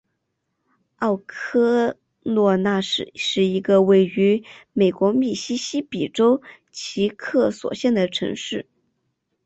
奥科洛纳是一个位于美国密西西比州奇克索县的城市。